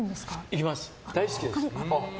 行きます、大好きです。